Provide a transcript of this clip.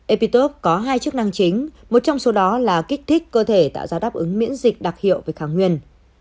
apitop có hai chức năng chính một trong số đó là kích thích cơ thể tạo ra đáp ứng miễn dịch đặc hiệu với kháng nguyên